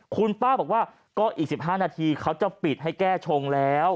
คุณป้าบอกว่าก็อีก๑๕นาทีเขาจะปิดให้แก้ชงแล้ว